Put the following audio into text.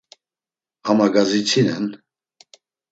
Ama gadzitsinen…